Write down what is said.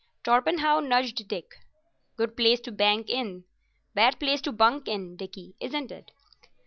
Torpenhow nudged Dick. "Good place to bank in—bad place to bunk in, Dickie, isn't it?"